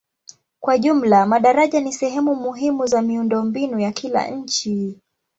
Kwa jumla madaraja ni sehemu muhimu za miundombinu ya kila nchi.